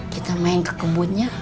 kita main ke kebunnya